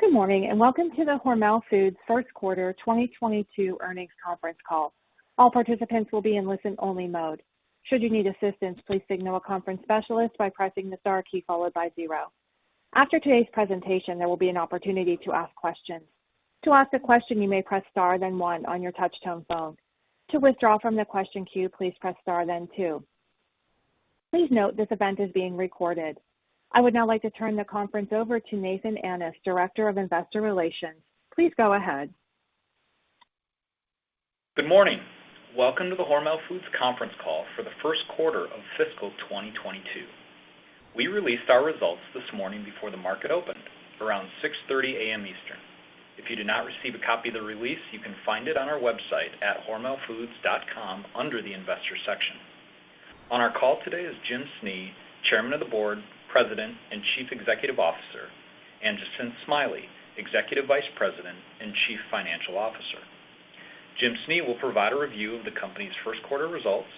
Good morning, and Welcome to the Hormel Foods first quarter 2022 earnings conference call. All participants will be in listen-only mode. Should you need assistance, please signal a conference specialist by pressing the star key followed by zero. After today's presentation, there will be an opportunity to ask questions. To ask a question, you may press star then one on your touchtone phone. To withdraw from the question queue, please press star then two. Please note this event is being recorded. I would now like to turn the conference over to Nathan Annis, Director of Investor Relations. Please go ahead. Good morning. Welcome to the Hormel Foods conference call for the first quarter of fiscal 2022. We released our results this morning before the market opened around 6:30 A.M. Eastern. If you did not receive a copy of the release, you can find it on our website at hormelfoods.com under the investor section. On our call today is Jim Snee, Chairman of the Board, President, and Chief Executive Officer, and Jacinth Smiley, Executive Vice President and Chief Financial Officer. Jim Snee will provide a review of the company's first quarter results,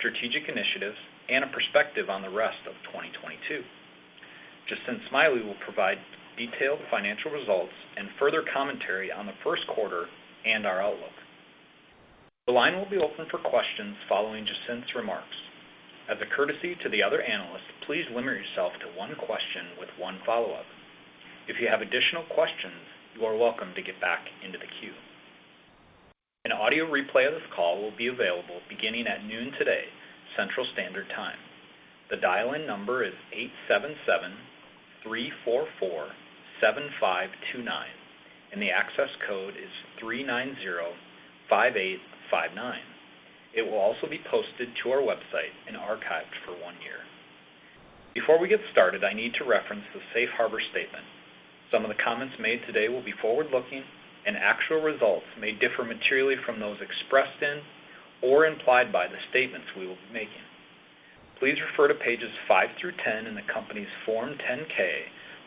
strategic initiatives, and a perspective on the rest of 2022. Jacinth Smiley will provide detailed financial results and further commentary on the first quarter and our outlook. The line will be open for questions following Jacinth's remarks. As a courtesy to the other analysts, please limit yourself to one question with one follow-up. If you have additional questions, you are welcome to get back into the queue. An audio replay of this call will be available beginning at noon today, Central Standard Time. The dial-in number is 877-344-7529, and the access code is 3905859. It will also be posted to our website and archived for one year. Before we get started, I need to reference the Safe Harbor statement. Some of the comments made today will be forward-looking and actual results may differ materially from those expressed in or implied by the statements we will be making. Please refer to pages five through 10 in the company's Form 10-K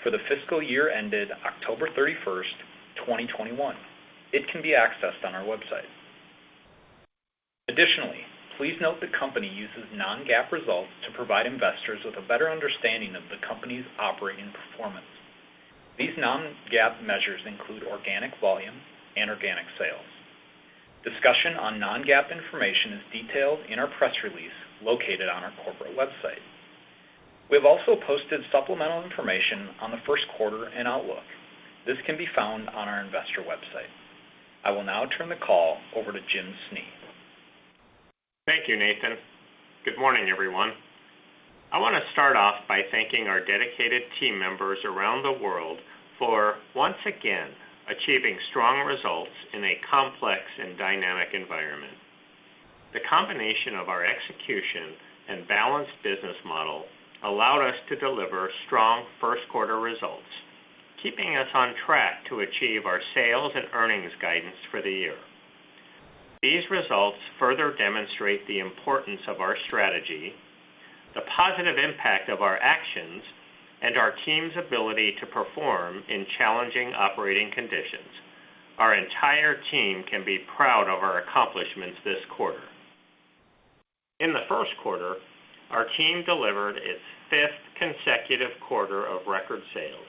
for the fiscal year ended October 31st, 2021. It can be accessed on our website. Additionally, please note the company uses non-GAAP results to provide investors with a better understanding of the company's operating performance. These non-GAAP measures include organic volume and organic sales. Discussion on non-GAAP information is detailed in our press release located on our corporate website. We have also posted supplemental information on the first quarter and outlook. This can be found on our investor website. I will now turn the call over to Jim Snee. Thank you, Nathan. Good morning, everyone. I want to start off by thanking our dedicated team members around the world for once again achieving strong results in a complex and dynamic environment. The combination of our execution and balanced business model allowed us to deliver strong first quarter results, keeping us on track to achieve our sales and earnings guidance for the year. These results further demonstrate the importance of our strategy, the positive impact of our actions, and our team's ability to perform in challenging operating conditions. Our entire team can be proud of our accomplishments this quarter. In the first quarter, our team delivered its fifth consecutive quarter of record sales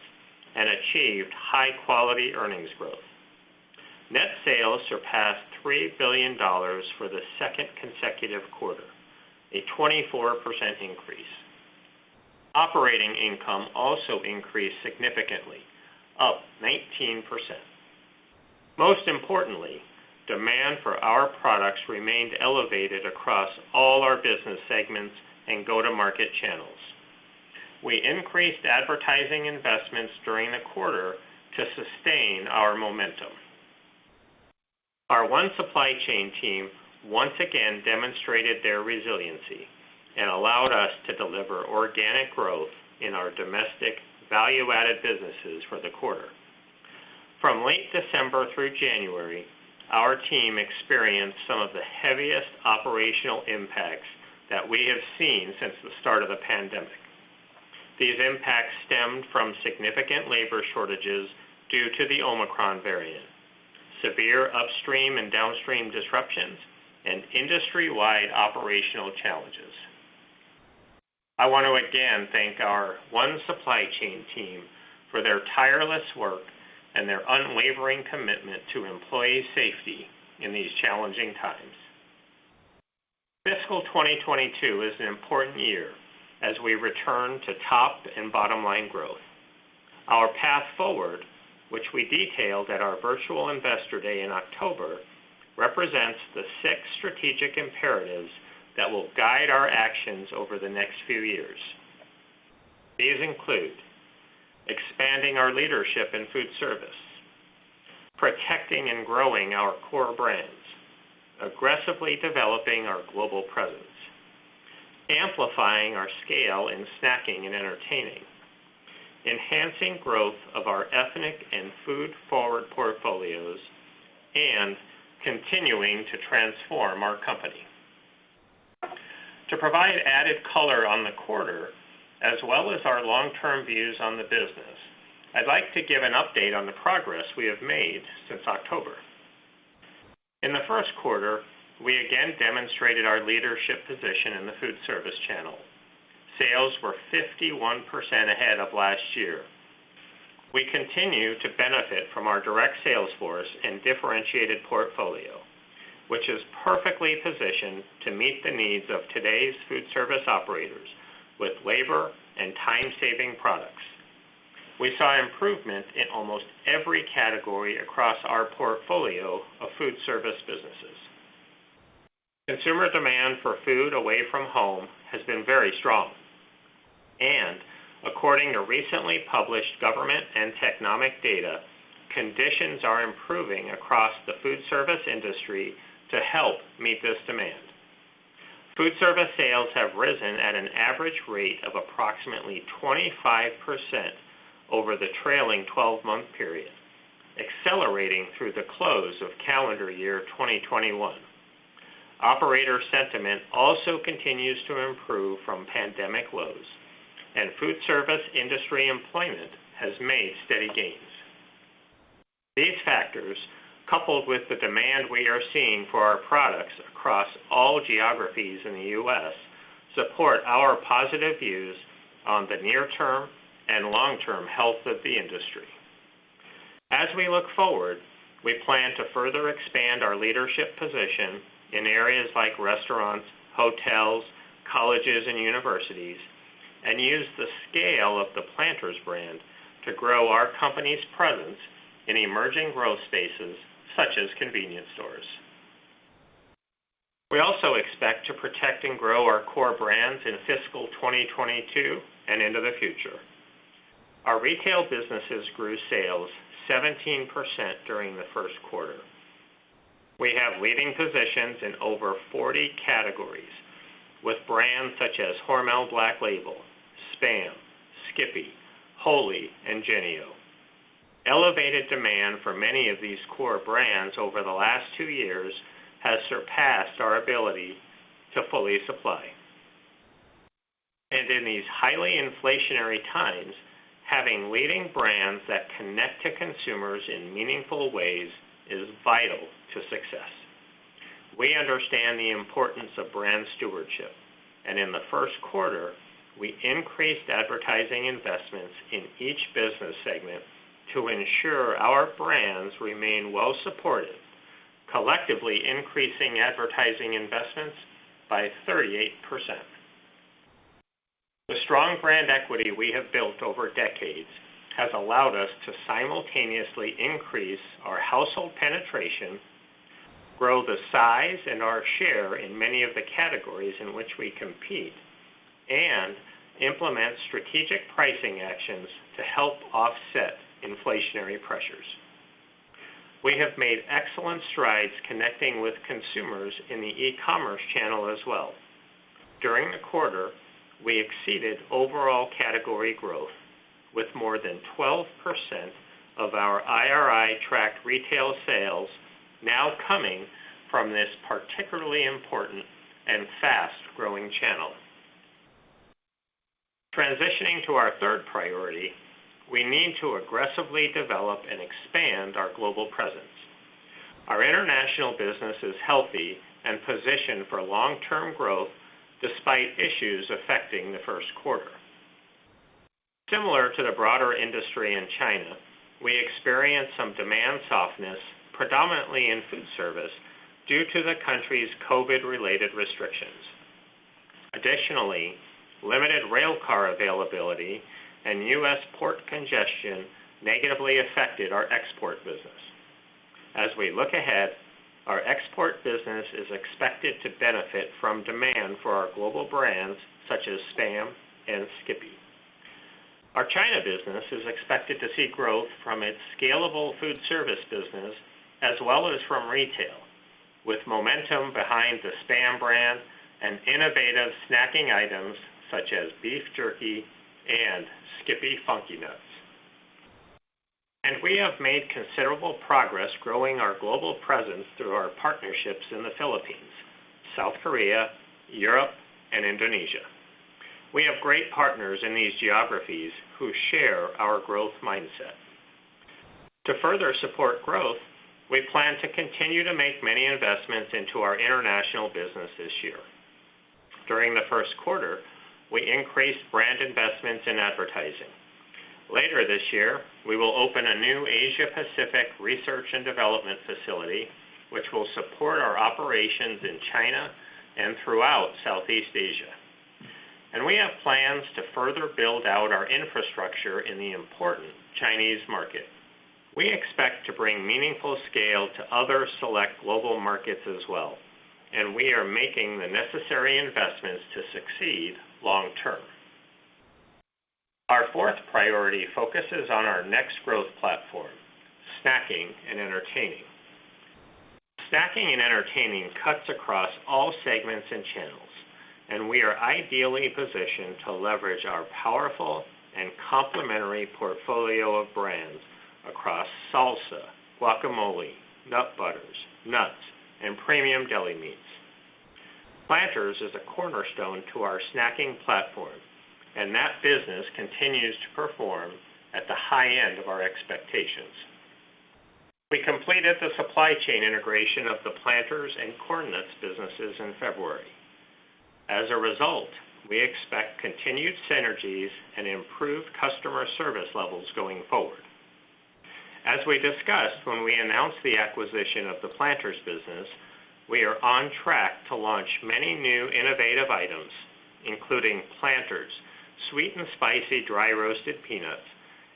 and achieved high-quality earnings growth. Net sales surpassed $3 billion for the second consecutive quarter, a 24% increase. Operating income also increased significantly, up 19%. Most importantly, demand for our products remained elevated across all our business segments and go-to-market channels. We increased advertising investments during the quarter to sustain our momentum. Our One Supply Chain team once again demonstrated their resiliency and allowed us to deliver organic growth in our domestic value-added businesses for the quarter. From late December through January, our team experienced some of the heaviest operational impacts that we have seen since the start of the pandemic. These impacts stemmed from significant labor shortages due to the Omicron variant, severe upstream and downstream disruptions, and industry-wide operational challenges. I want to again thank our One Supply Chain team for their tireless work and their unwavering commitment to employee safety in these challenging times. Fiscal 2022 is an important year as we return to top and bottom-line growth. Our path forward, which we detailed at our virtual Investor Day in October, represents the six strategic imperatives that will guide our actions over the next few years. These include expanding our leadership in Foodservice, protecting and growing our core brands, aggressively developing our global presence, amplifying our scale in snacking and entertaining, enhancing growth of our ethnic and food-forward portfolios, and continuing to transform our company. To provide added color on the quarter as well as our long-term views on the business, I'd like to give an update on the progress we have made since October. In the first quarter, we again demonstrated our leadership position in the Foodservice channel. Sales were 51% ahead of last year. We continue to benefit from our direct sales force and differentiated portfolio, which is perfectly positioned to meet the needs of today's Foodservice operators with labor and time-saving products. We saw improvement in almost every category across our portfolio of food service businesses. Consumer demand for food away from home has been very strong, and according to recently published government and Technomic data, conditions are improving across the food service industry to help meet this demand. Food service sales have risen at an average rate of approximately 25% over the trailing1 2-month period, accelerating through the close of calendar year 2021. Operator sentiment also continues to improve from pandemic lows, and food service industry employment has made steady gains. These factors, coupled with the demand we are seeing for our products across all geographies in the U.S., support our positive views on the near term and long-term health of the industry. As we look forward, we plan to further expand our leadership position in areas like restaurants, hotels, colleges and universities, and use the scale of the Planters brand to grow our company's presence in emerging growth spaces such as convenience stores. We also expect to protect and grow our core brands in fiscal 2022 and into the future. Our retail businesses grew sales 17% during the first quarter. We have leading positions in over 40 categories with brands such as Hormel Black Label, Spam, Skippy, Wholly and Jennie-O. Elevated demand for many of these core brands over the last two years has surpassed our ability to fully supply. In these highly inflationary times, having leading brands that connect to consumers in meaningful ways is vital to success. We understand the importance of brand stewardship, and in the first quarter, we increased advertising investments in each business segment to ensure our brands remain well supported, collectively increasing advertising investments by 38%. The strong brand equity we have built over decades has allowed us to simultaneously increase our household penetration, grow the size and our share in many of the categories in which we compete, and implement strategic pricing actions to help offset inflationary pressures. We have made excellent strides connecting with consumers in the e-commerce channel as well. During the quarter, we exceeded overall category growth with more than 12% of our IRI tracked retail sales now coming from this particularly important and fast-growing channel. Transitioning to our third priority, we need to aggressively develop and expand our global presence. Our international business is healthy and positioned for long-term growth despite issues affecting the first quarter. Similar to the broader industry in China, we experienced some demand softness, predominantly in Foodservice, due to the country's COVID-related restrictions. Additionally, limited rail car availability and U.S. port congestion negatively affected our export business. As we look ahead, our export business is expected to benefit from demand for our global brands such as Spam and Skippy. Our China business is expected to see growth from its scalable Foodservice business as well as from retail, with momentum behind the Spam brand and innovative snacking items such as beef jerky and skippy funky nuts. We have made considerable progress growing our global presence through our partnerships in the Philippines, South Korea, Europe and Indonesia. We have great partners in these geographies who share our growth mindset. To further support growth, we plan to continue to make many investments into our international business this year. During the first quarter, we increased brand investments in advertising. Later this year, we will open a new Asia Pacific research and development facility, which will support our operations in China and throughout Southeast Asia. We have plans to further build out our infrastructure in the important Chinese market. We expect to bring meaningful scale to other select global markets as well, and we are making the necessary investments to succeed long term. Our fourth priority focuses on our next growth platform, snacking and entertaining. Snacking and entertaining cuts across all segments and channels, and we are ideally positioned to leverage our powerful and complementary portfolio of brands across salsa, guacamole, nut butters, nuts, and premium deli meats. Planters is a cornerstone to our snacking platform, and that business continues to perform at the high end of our expectations. We completed the supply chain integration of the Planters and Corn Nuts businesses in February. As a result, we expect continued synergies and improved customer service levels going forward. As we discussed when we announced the acquisition of the Planters business, we are on track to launch many new innovative items, including Planters Sweet & Spicy Dry Roasted Peanuts,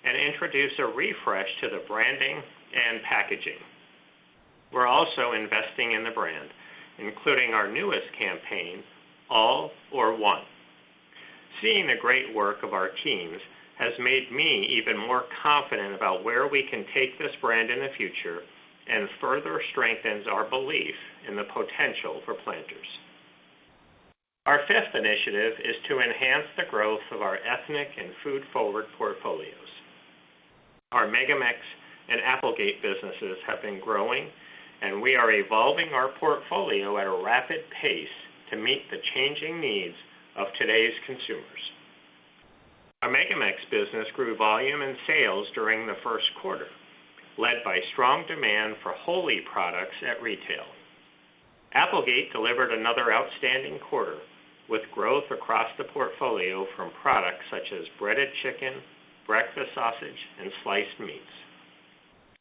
and introduce a refresh to the branding and packaging. We're also investing in the brand, including our newest campaign, All or One. Seeing the great work of our teams has made me even more confident about where we can take this brand in the future and further strengthens our belief in the potential for Planters. Our fifth initiative is to enhance the growth of our ethnic and food-forward portfolios. Our MegaMex and Applegate businesses have been growing, and we are evolving our portfolio at a rapid pace to meet the changing needs of today's consumers. Our MegaMex business grew volume and sales during the first quarter, led by strong demand for Wholly products at retail. Applegate delivered another outstanding quarter, with growth across the portfolio from products such as breaded chicken, breakfast sausage, and sliced meats.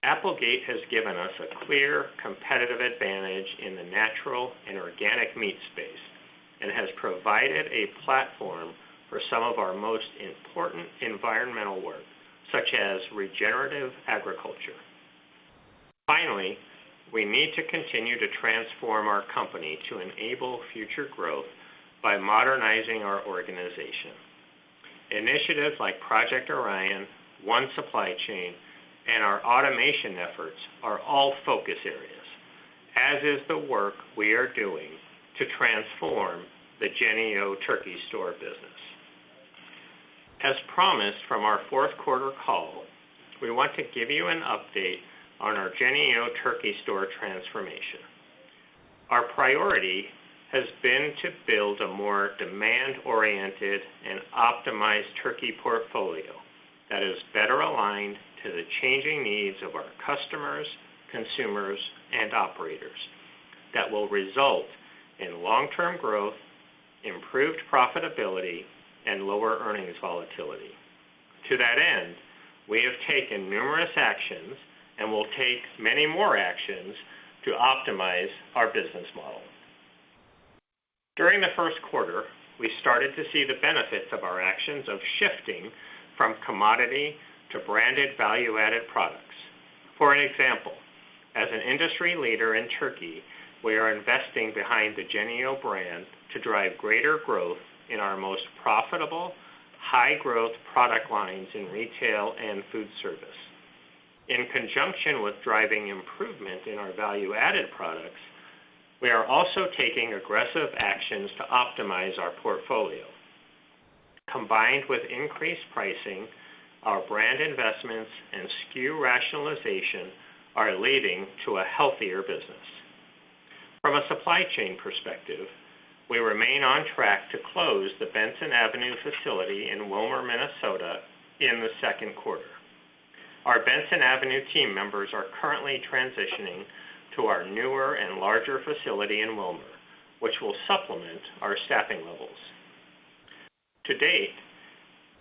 Applegate has given us a clear competitive advantage in the natural and organic meat space and has provided a platform for some of our most important environmental work, such as regenerative agriculture. Finally, we need to continue to transform our company to enable future growth by modernizing our organization. Initiatives like Project Orion, One Supply Chain, and our automation efforts are all focus areas, as is the work we are doing to transform the Jennie-O Turkey Store business. As promised from our fourth quarter call, we want to give you an update on our Jennie-O Turkey Store transformation. Our priority has been to build a more demand-oriented and optimized turkey portfolio that is better aligned to the changing needs of our customers, consumers, and operators that will result in long-term growth, improved profitability, and lower earnings volatility. To that end, we have taken numerous actions and will take many more actions to optimize our business model. During the first quarter, we started to see the benefits of our actions of shifting from commodity to branded value-added products. For example, as an industry leader in Turkey, we are investing behind the Jennie-O brand to drive greater growth in our most profitable, high-growth product lines in retail and foodservice. In conjunction with driving improvement in our value-added products, we are also taking aggressive actions to optimize our portfolio. Combined with increased pricing, our brand investments and SKU rationalization are leading to a healthier business. From a supply chain perspective, we remain on track to close the Benson Avenue facility in Willmar, Minnesota in the second quarter. Our Benson Avenue team members are currently transitioning to our newer and larger facility in Willmar, which will supplement our staffing levels. To date,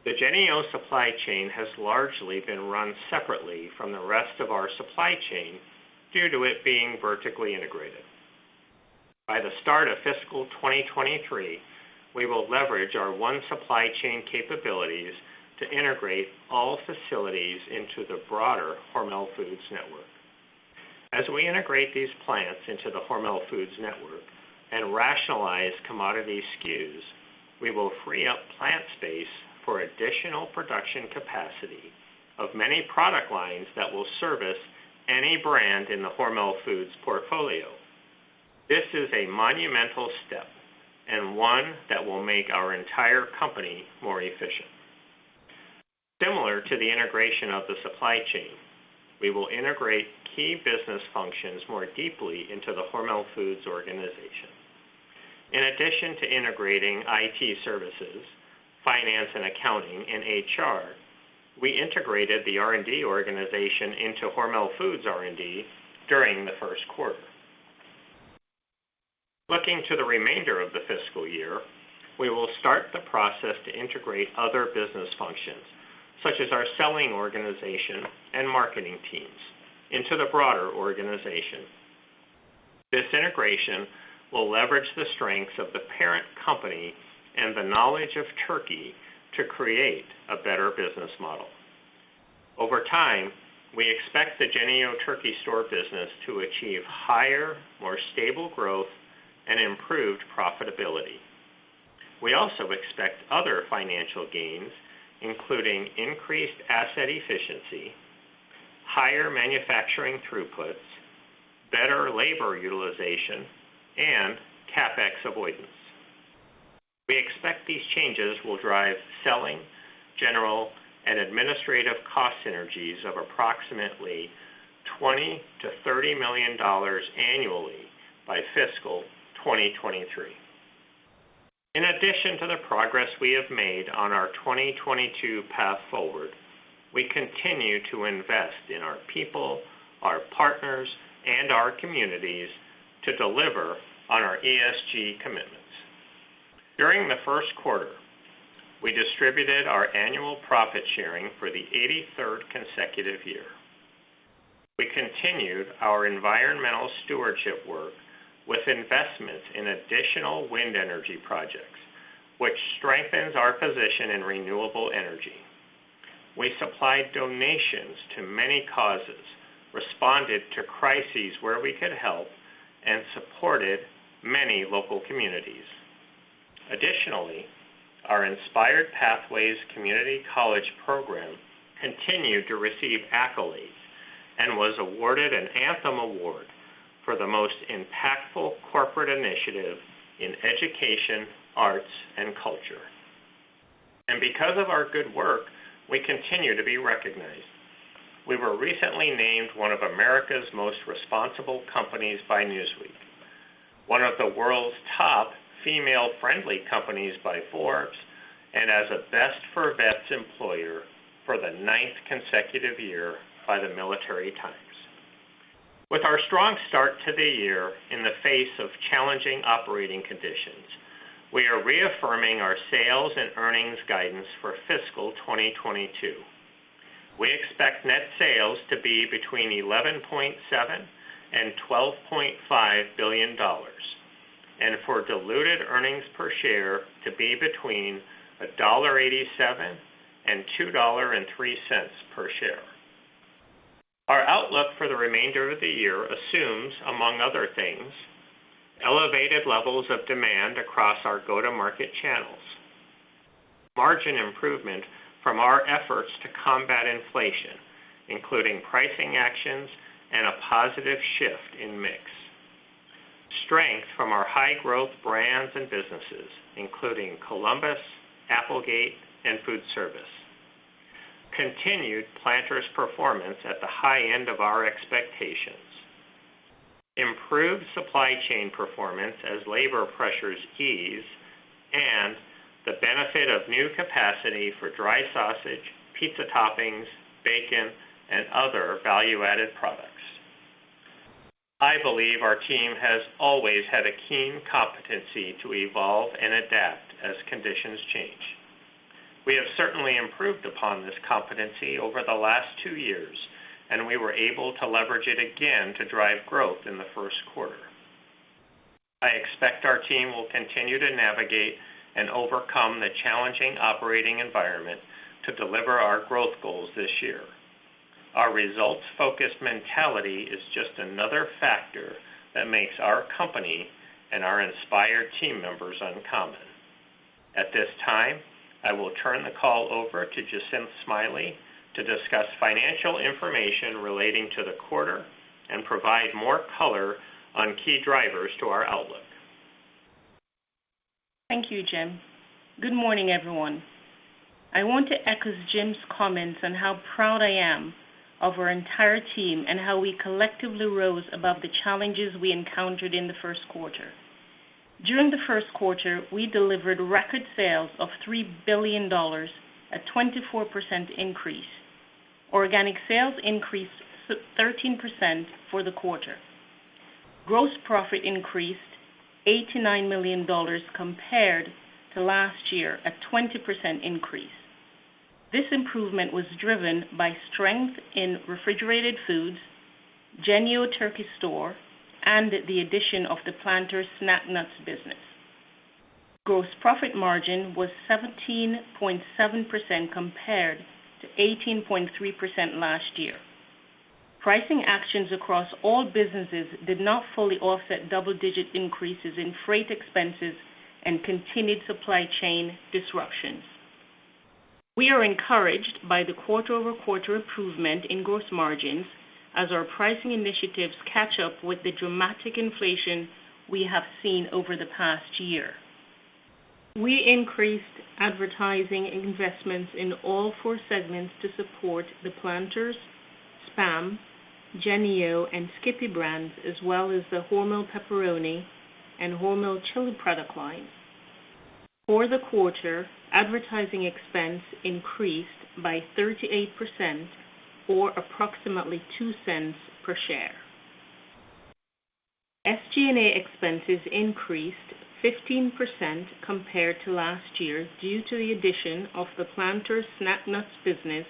the Jennie-O supply chain has largely been run separately from the rest of our supply chain due to it being vertically integrated. By the start of fiscal 2023, we will leverage our One Supply Chain capabilities to integrate all facilities into the broader Hormel Foods network. As we integrate these plants into the Hormel Foods network and rationalize commodity SKUs, we will free up plant space for additional production capacity of many product lines that will service any brand in the Hormel Foods portfolio. This is a monumental step and one that will make our entire company more efficient. Similar to the integration of the supply chain, we will integrate key business functions more deeply into the Hormel Foods organization. In addition to integrating IT services, finance and accounting, and HR, we integrated the R&D organization into Hormel Foods R&D during the first quarter. Looking to the remainder of the fiscal year, we will start the process to integrate other business functions, such as our selling organization and marketing teams, into the broader organization. This integration will leverage the strengths of the parent company and the knowledge of Turkey to create a better business model. Over time, we expect the Jennie-O Turkey Store business to achieve higher, more stable growth and improved profitability. We also expect other financial gains, including increased asset efficiency, higher manufacturing throughputs, better labor utilization, and CapEx avoidance. We expect these changes will drive selling, general, and administrative cost synergies of approximately $20 million-$30 million annually by fiscal 2023. In addition to the progress, we have made on our 2022 path forward, we continue to invest in our people, our partners, and our communities to deliver on our ESG commitments. During the first quarter, we distributed our annual profit sharing for the 83rd consecutive year. We continued our environmental stewardship work with investments in additional wind energy projects, which strengthens our position in renewable energy. We supplied donations to many causes, responded to crises where we could help, and supported many local communities. Additionally, our Inspired Pathways community college program continued to receive accolades and was awarded an Anthem Award for the most impactful corporate initiative in education, arts, and culture. Because of our good work, we continue to be recognized. We were recently named one of America's most responsible companies by Newsweek, one of the world's top female-friendly companies by Forbes, and as a Best for Vets employer for the ninth consecutive year by the Military Times. With our strong start to the year in the face of challenging operating conditions, we are reaffirming our sales and earnings guidance for fiscal 2022. We expect net sales to be between $11.7 billion and $12.5 billion and for diluted earnings per share to be between $1.87 and $2.03 per share. Our outlook for the remainder of the year assumes, among other things, elevated levels of demand across our go-to-market channels, margin improvement from our efforts to combat inflation, including pricing actions and a positive shift in mix, strength from our high growth brands and businesses, including Columbus, Applegate, and Foodservice, continued Planters performance at the high end of our expectations, improved supply chain performance as labor pressures ease, and the benefit of new capacity for dry sausage, pizza toppings, bacon, and other value-added products. I believe our team has always had a keen competency to evolve and adapt as conditions change. We have certainly improved upon this competency over the last two years, and we were able to leverage it again to drive growth in the first quarter. I expect our team will continue to navigate and overcome the challenging operating environment to deliver our growth goals this year. Our results-focused mentality is just another factor that makes our company and our inspired team members uncommon. At this time, I will turn the call over to Jacinth Smiley to discuss financial information relating to the quarter and provide more color on key drivers to our outlook. Thank you, Jim. Good morning, everyone. I want to echo Jim's comments on how proud I am of our entire team and how we collectively rose above the challenges we encountered in the first quarter. During the first quarter, we delivered record sales of $3 billion, a 24% increase. Organic sales increased 13% for the quarter. Gross profit increased $89 million compared to last year, a 20% increase. This improvement was driven by strength in Refrigerated Foods, Jennie-O Turkey Store, and the addition of the Planters snack nuts business. Gross profit margin was 17.7% compared to 18.3% last year. Pricing actions across all businesses did not fully offset double-digit increases in freight expenses and continued supply chain disruptions. We are encouraged by the quarter-over-quarter improvement in gross margins as our pricing initiatives catch up with the dramatic inflation we have seen over the past year. We increased advertising investments in all four segments to support the Planters, Spam, Jennie-O, and Skippy brands, as well as the Hormel Pepperoni and Hormel Chili product lines. For the quarter, advertising expense increased by 38% or approximately $0.02 per share. SG&A expenses increased 15% compared to last year due to the addition of the Planters snack nuts business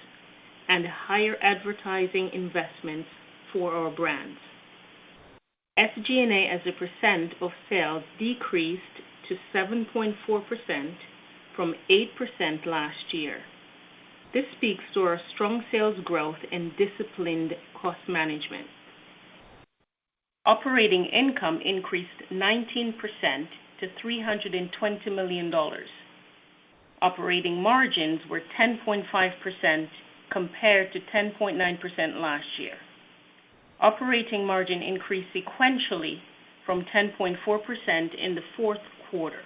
and higher advertising investments for our brands. SG&A as a percent of sales decreased to 7.4% from 8% last year. This speaks to our strong sales growth and disciplined cost management. Operating income increased 19% to $320 million. Operating margins were 10.5% compared to 10.9% last year. Operating margin increased sequentially from 10.4% in the fourth quarter.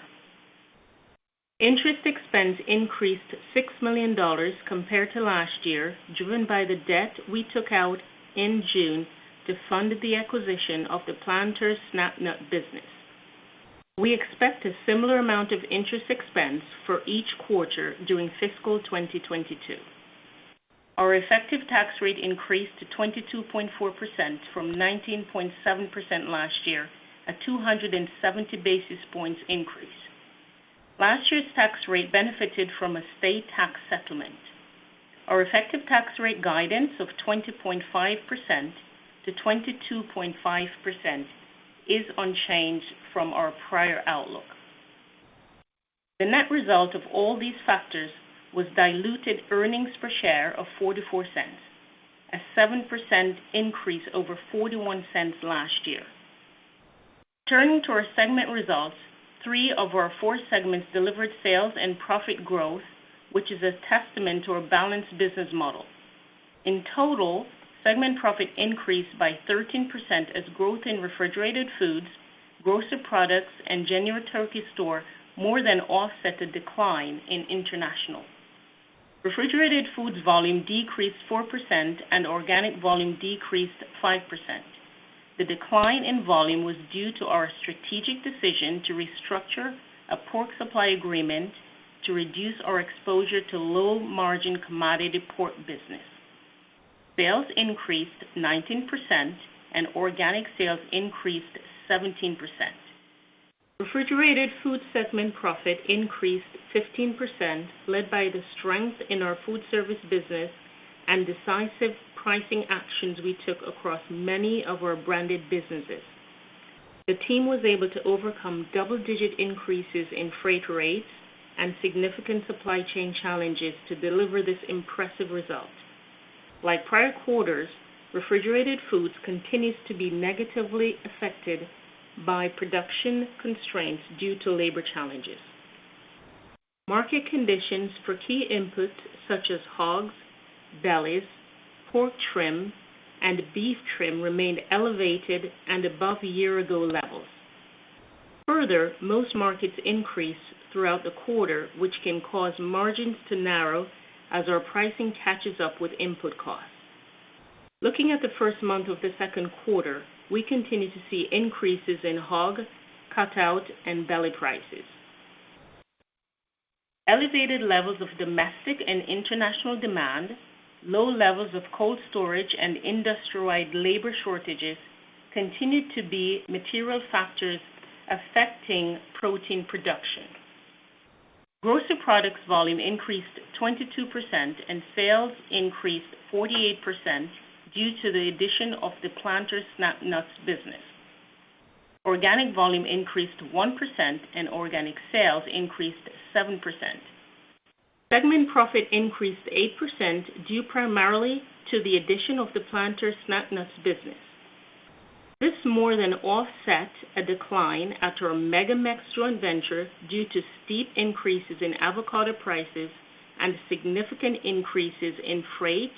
Interest expense increased $6 million compared to last year, driven by the debt we took out in June to fund the acquisition of the Planters snack nut business. We expect a similar amount of interest expense for each quarter during fiscal 2022. Our effective tax rate increased to 22.4% from 19.7% last year, a 270 basis points increase. Last year's tax rate benefited from a state tax settlement. Our effective tax rate guidance of 20.5%-22.5% is unchanged from our prior outlook. The net result of all these factors was diluted earnings per share of $0.44, a 7% increase over $0.41 last year. Turning to our segment results, three of our four segments delivered sales and profit growth, which is a testament to our balanced business model. In total, segment profit increased by 13% as growth in Refrigerated Foods, Grocery Products, and Jennie-O Turkey Store more than offset the decline in International. Refrigerated Foods volume decreased 4% and organic volume decreased 5%. The decline in volume was due to our strategic decision to restructure a pork supply agreement to reduce our exposure to low-margin commodity pork business. Sales increased 19% and organic sales increased 17%. Refrigerated Foods segment profit increased 15%, led by the strength in our Foodservice business and decisive pricing actions we took across many of our branded businesses. The team was able to overcome double-digit increases in freight rates and significant supply chain challenges to deliver this impressive result. Like prior quarters, Refrigerated Foods continues to be negatively affected by production constraints due to labor challenges. Market conditions for key inputs such as hogs, bellies, pork trim, and beef trim remained elevated and above year-ago levels. Further, most markets increased throughout the quarter, which can cause margins to narrow as our pricing catches up with input costs. Looking at the first month of the second quarter, we continue to see increases in hog, cutout, and belly prices. Elevated levels of domestic and international demand, low levels of cold storage, and industry-wide labor shortages continue to be material factors affecting protein production. Grocery Products volume increased 22% and sales increased 48% due to the addition of the Planters snack nuts business. Organic volume increased 1% and organic sales increased 7%. Segment profit increased 8% due primarily to the addition of the Planters snack nuts business. This more than offset a decline at our MegaMex joint venture due to steep increases in avocado prices and significant increases in freight,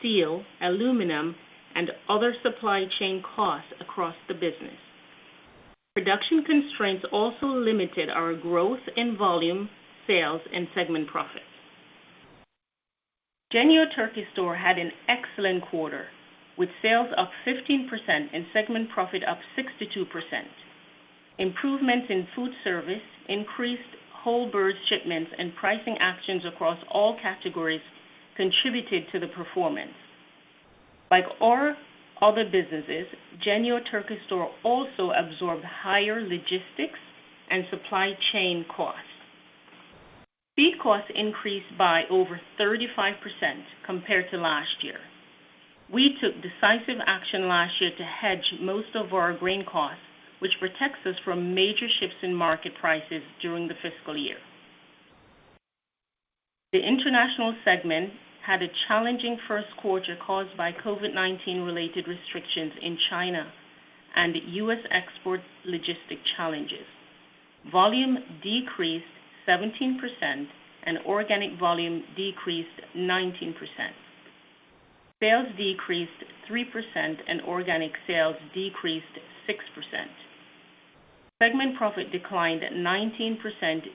steel, aluminum, and other supply chain costs across the business. Production constraints also limited our growth in volume, sales, and segment profits. Jennie-O Turkey Store had an excellent quarter, with sales up 15% and segment profit up 62%. Improvements in Foodservice, increased whole bird shipments, and pricing actions across all categories contributed to the performance. Like our other businesses, Jennie-O Turkey Store also absorbed higher logistics and supply chain costs. Feed costs increased by over 35% compared to last year. We took decisive action last year to hedge most of our grain costs, which protects us from major shifts in market prices during the fiscal year. The International segment had a challenging first quarter caused by COVID-19 related restrictions in China and U.S. export logistic challenges. Volume decreased 17% and organic volume decreased 19%. Sales decreased 3% and organic sales decreased 6%. Segment profit declined 19%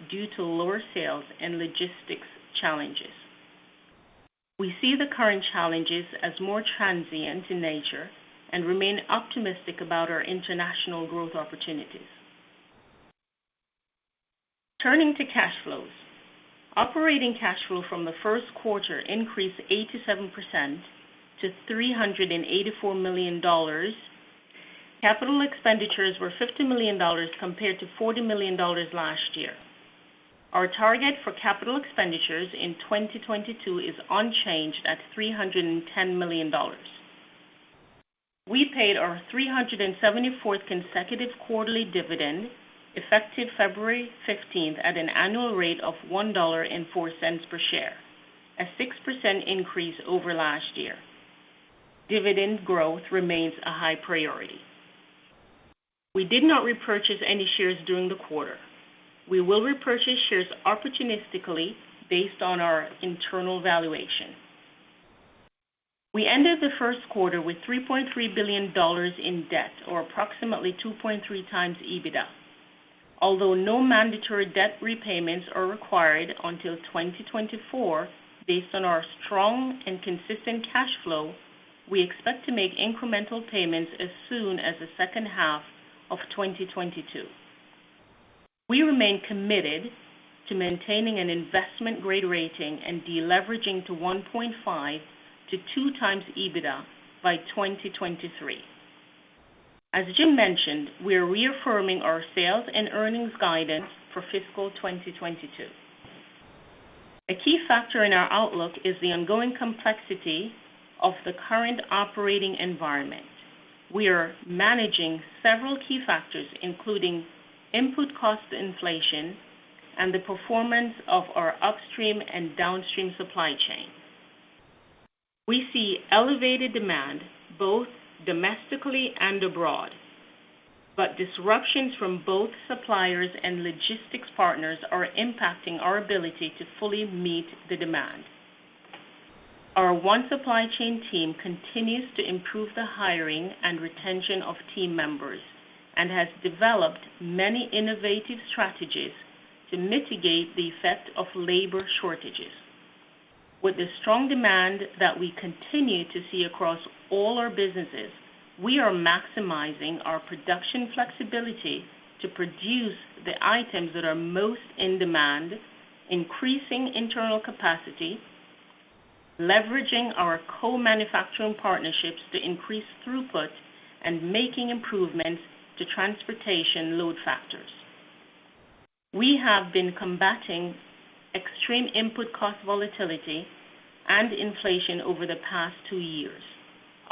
due to lower sales and logistics challenges. We see the current challenges as more transient in nature and remain optimistic about our international growth opportunities. Turning to cash flows. Operating cash flow from the first quarter increased 87% to $384 million. Capital expenditures were $50 million compared to $40 million last year. Our target for capital expenditures in 2022 is unchanged at $310 million. We paid our 374th consecutive quarterly dividend effective February 15th that an annual rate of $1.04 per share, a 6% increase over last year. Dividend growth remains a high priority. We did not repurchase any shares during the quarter. We will repurchase shares opportunistically based on our internal valuation. We ended the first quarter with $3.3 billion in debt, or approximately 2.3x EBITDA. Although no mandatory debt repayments are required until 2024, based on our strong and consistent cash flow, we expect to make incremental payments as soon as the second half of 2022. We remain committed to maintaining an investment-grade rating and deleveraging to 1.5x-2x EBITDA by 2023. As Jim mentioned, we are reaffirming our sales and earnings guidance for fiscal 2022. A key factor in our outlook is the ongoing complexity of the current operating environment. We are managing several key factors, including input cost inflation and the performance of our upstream and downstream supply chain. We see elevated demand both domestically and abroad, but disruptions from both suppliers and logistics partners are impacting our ability to fully meet the demand. Our One Supply Chain team continues to improve the hiring and retention of team members and has developed many innovative strategies to mitigate the effect of labor shortages. With the strong demand that we continue to see across all our businesses, we are maximizing our production flexibility to produce the items that are most in demand, increasing internal capacity, leveraging our co-manufacturing partnerships to increase throughput, and making improvements to transportation load factors. We have been combating extreme input cost volatility and inflation over the past two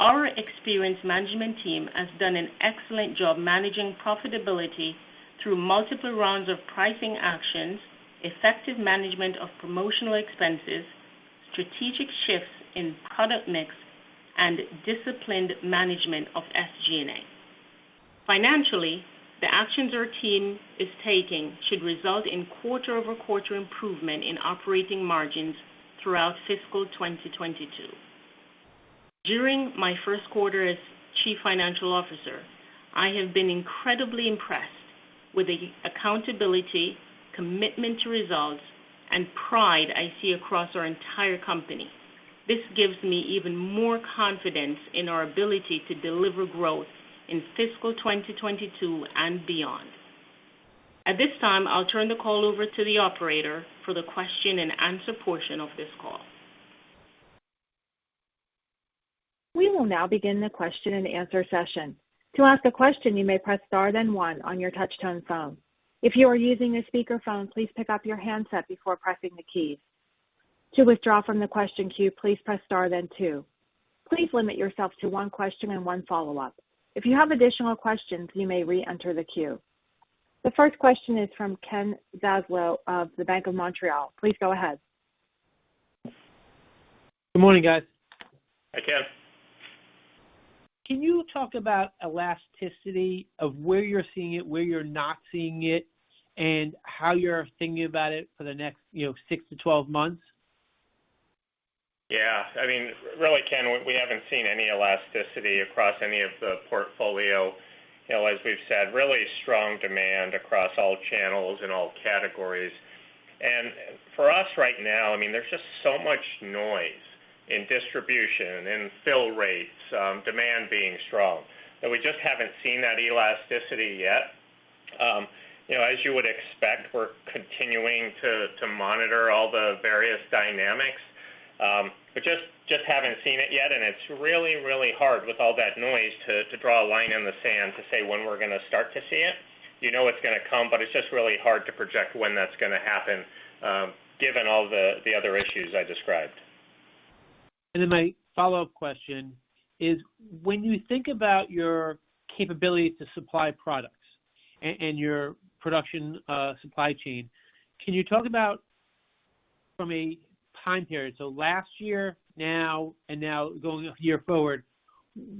years. Our experienced management team has done an excellent job managing profitability through multiple rounds of pricing actions, effective management of promotional expenses, strategic shifts in product mix, and disciplined management of SG&A. Financially, the actions our team is taking should result in quarter-over-quarter improvement in operating margins throughout fiscal 2022. During my first quarter as Chief Financial Officer, I have been incredibly impressed with the accountability, commitment to results, and pride I see across our entire company. This gives me even more confidence in our ability to deliver growth in fiscal 2022 and beyond. At this time, I'll turn the call over to the operator for the question-and-answer portion of this call. We will now begin the question-and-answer session. To ask a question, you may press Star, then one on your touch tone phone. If you are using a speaker phone, please pick up your handset before pressing the keys. To withdraw from the question queue, please press star then two. Please limit yourself to one question and one follow-up. If you have additional questions, you may re-enter the queue. The first question is from Ken Zaslow of the Bank of Montreal. Please go ahead. Good morning, guys. Hi, Ken. Can you talk about elasticity of where you're seeing it, where you're not seeing it, and how you're thinking about it for the next, you know, six-12 months? Yeah. I mean, really, Ken, we haven't seen any elasticity across any of the portfolio. You know, as we've said, really strong demand across all channels and all categories. For us right now, I mean, there's just so much noise in distribution and fill rates, demand being strong. We just haven't seen that elasticity yet. You know, as you would expect, we're continuing to monitor all the various dynamics. Just haven't seen it yet, and it's really hard with all that noise to draw a line in the sand to say when we're gonna start to see it. You know it's gonna come, but it's just really hard to project when that's gonna happen, given all the other issues I described. My follow-up question is, when you think about your capability to supply products and your production supply chain, can you talk about from a time period, so last year, now, and now going a year forward,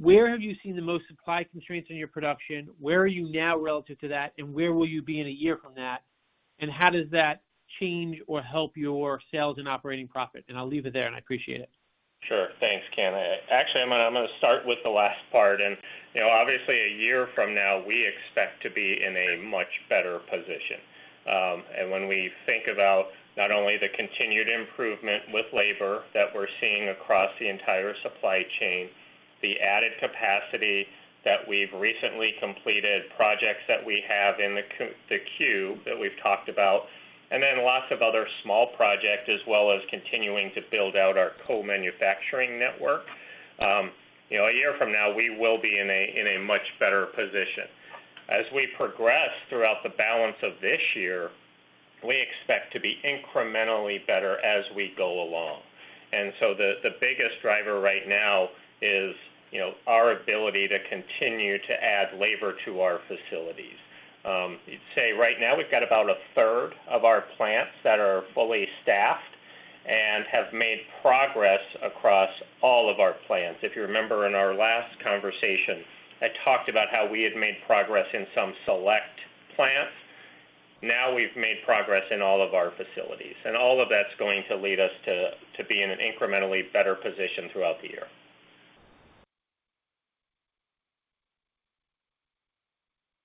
where have you seen the most supply constraints in your production? Where are you now relative to that? Where will you be in a year from that? How does that change or help your sales and operating profit? I'll leave it there, and I appreciate it. Sure. Thanks, Ken. Actually, I'm gonna start with the last part. You know, obviously a year from now, we expect to be in a much better position. When we think about not only the continued improvement with labor that we're seeing across the entire supply chain, the added capacity that we've recently completed, projects that we have in the queue that we've talked about, and then lots of other small projects, as well as continuing to build out our co-manufacturing network, you know, a year from now we will be in a much better position. As we progress throughout the balance of this year, we expect to be incrementally better as we go along. The biggest driver right now is, you know, our ability to continue to add labor to our facilities. I'd say right now we've got about a third of our plants that are fully staffed and have made progress across all of our plants. If you remember in our last conversation, I talked about how we had made progress in some select plants. Now we've made progress in all of our facilities, and all of that's going to lead us to be in an incrementally better position throughout the year.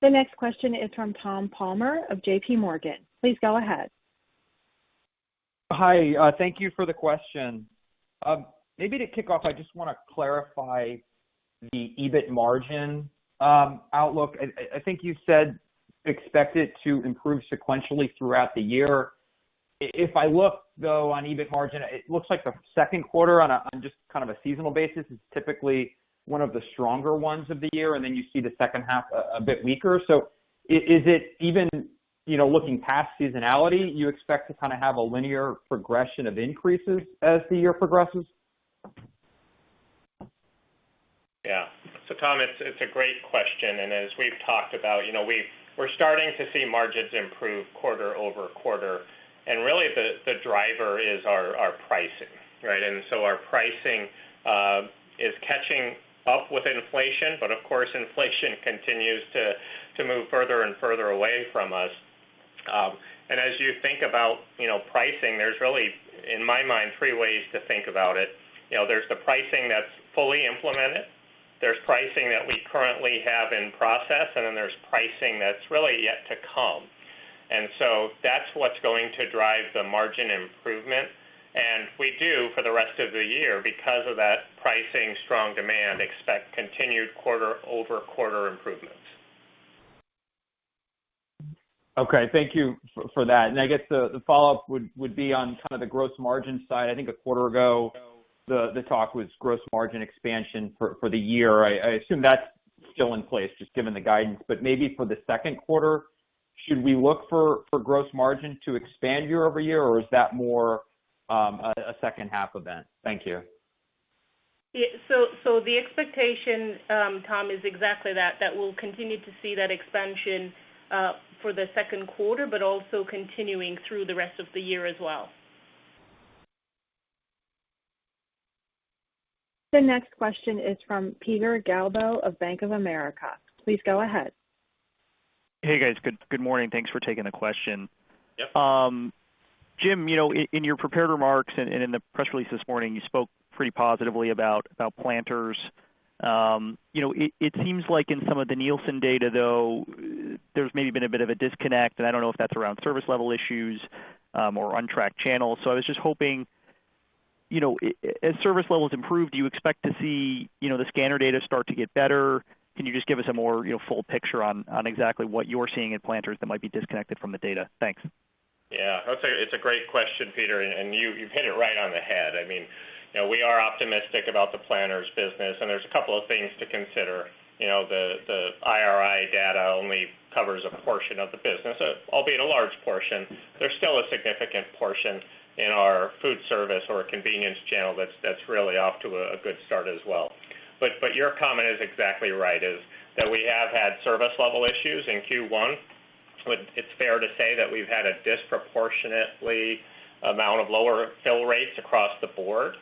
The next question is from Tom Palmer of JPMorgan. Please go ahead. Hi, thank you for the question. Maybe to kick off, I just wanna clarify the EBIT margin outlook. I think you said expect it to improve sequentially throughout the year. If I look, though, on EBIT margin, it looks like the second quarter on just kind of a seasonal basis is typically one of the stronger ones of the year, and then you see the second half a bit weaker. Is it even, you know, looking past seasonality, you expect to kinda have a linear progression of increases as the year progresses? Yeah. Tom, it's a great question. As we've talked about, you know, we're starting to see margins improve quarter-over-quarter. Really the driver is our pricing, right? Our pricing is catching up with inflation, but of course, inflation continues to move further and further away from us. As you think about, you know, pricing, there's really, in my mind, three ways to think about it. You know, there's the pricing that's fully implemented, there's pricing that we currently have in process, and then there's pricing that's really yet to come. That's what's going to drive the margin improvement. We do, for the rest of the year, because of that pricing strong demand, expect continued quarter-over-quarter improvements. Okay, thank you for that. I guess the follow-up would be on kind of the gross margin side. I think a quarter ago, the talk was gross margin expansion for the year. I assume that's still in place just given the guidance. Maybe for the second quarter, should we look for gross margin to expand year-over-year, or is that more a second half event? Thank you. Yeah. The expectation, Tom, is exactly that we'll continue to see that expansion for the second quarter, but also continuing through the rest of the year as well. The next question is from Peter Galbo of Bank of America. Please go ahead. Hey, guys. Good morning. Thanks for taking the question. Yep. Jim, you know, in your prepared remarks and in the press release this morning, you spoke pretty positively about Planters. You know, it seems like in some of the Nielsen data, though, there's maybe been a bit of a disconnect, and I don't know if that's around service level issues or untracked channels. I was just hoping, you know, as service levels improve, do you expect to see, you know, the scanner data start to get better? Can you just give us a more, you know, full picture on exactly what you're seeing at Planters that might be disconnected from the data? Thanks. Yeah. That's a great question, Peter, and you've hit it right on the head. I mean, you know, we are optimistic about the Planters business, and there's a couple of things to consider. You know, the IRI data only covers a portion of the business, albeit a large portion. There's still a significant portion in our Foodservice or convenience channel that's really off to a good start as well. But your comment is exactly right, is that we have had service level issues in Q1. But it's fair to say that we've had a disproportionate amount of lower fill rates across the board.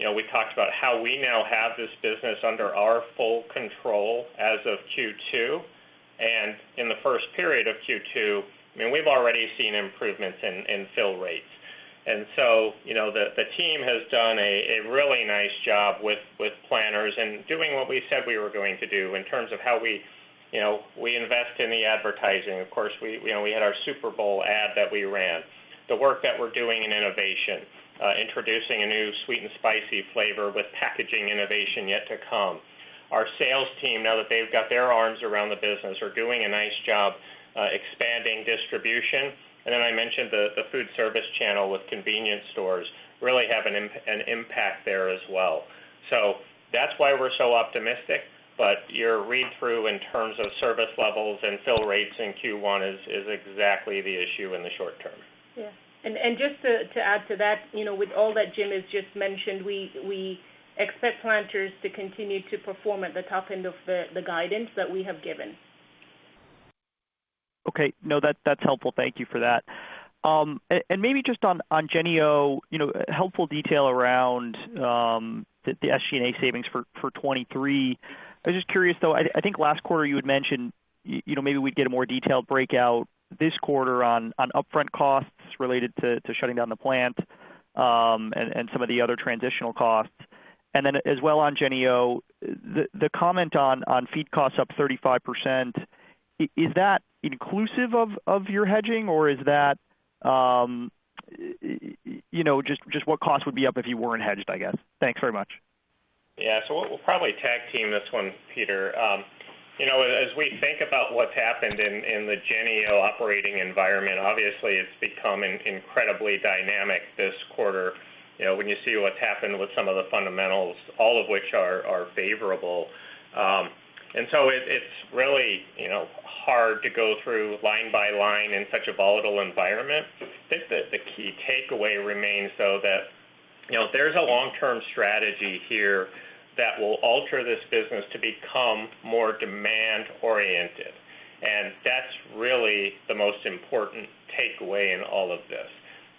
You know, we talked about how we now have this business under our full control as of Q2. In the first period of Q2, I mean, we've already seen improvements in fill rates. You know, the team has done a really nice job with Planters and doing what we said we were going to do in terms of how we, you know, we invest in the advertising. Of course, we, you know, we had our Super Bowl ad that we ran. The work that we're doing in innovation, introducing a new sweet and spicy flavor with packaging innovation yet to come. Our sales team, now that they've got their arms around the business, are doing a nice job expanding distribution. Then I mentioned the Foodservice channel with convenience stores really has an impact there as well. That's why we're so optimistic. Your read-through in terms of service levels and fill rates in Q1 is exactly the issue in the short term. Yeah. Just to add to that, you know, with all that Jim has just mentioned, we expect Planters to continue to perform at the top end of the guidance that we have given. Okay. No, that's helpful. Thank you for that. Maybe just on Jennie-O, you know, helpful detail around the SG&A savings for 2023. I'm just curious, though. I think last quarter you had mentioned, you know, maybe we'd get a more detailed breakout this quarter on upfront costs related to shutting down the plant and some of the other transitional costs. Then as well on Jennie-O, the comment on feed costs up 35%, is that inclusive of your hedging, or is that, you know, just what costs would be up if you weren't hedged, I guess? Thanks very much. Yeah. We'll probably tag team this one, Peter. You know, as we think about what's happened in the Jennie-O operating environment, obviously it's become incredibly dynamic this quarter. You know, when you see what's happened with some of the fundamentals, all of which are favorable. It's really hard to go through line by line in such a volatile environment. I think that the key takeaway remains, though, that you know, there's a long-term strategy here that will alter this business to become more demand-oriented, and that's really the most important takeaway in all of this.